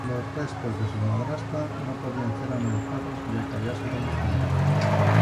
Los restos de su madrastra no podían ser analizados ya que había sido incinerada.